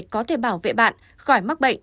có thể bảo vệ bạn khỏi mắc bệnh